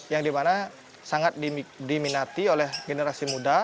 yang dimana sangat diminati oleh generasi muda